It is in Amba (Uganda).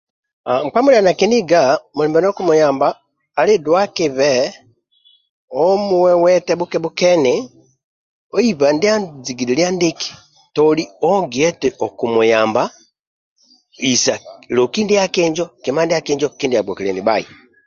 Nkpa mindia ali na kiniga mulimo ndio okumuyamba ali duakibe omuwewete bhuke bhukeni oibe ndia anzigidhilio andiki toli ogie eti okumuyamba mulimo loki ndiaki injo okuisa kindia agbokiliani bhai